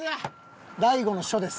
大悟の書です。